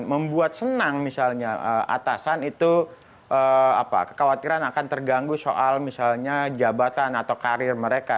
membuat senang misalnya atasan itu kekhawatiran akan terganggu soal misalnya jabatan atau karir mereka